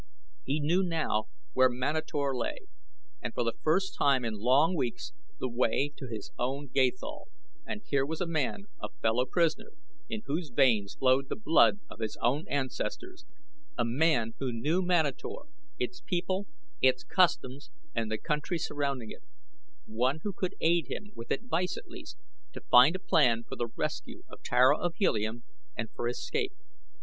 He knew now where Manator lay and for the first time in long weeks the way to his own Gathol, and here was a man, a fellow prisoner, in whose veins flowed the blood of his own ancestors a man who knew Manator; its people, its customs and the country surrounding it one who could aid him, with advice at least, to find a plan for the rescue of Tara of Helium and for escape.